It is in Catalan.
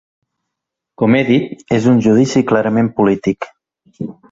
Com he dit, és un judici clarament polític.